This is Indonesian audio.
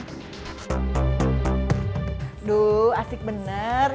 aduh asik bener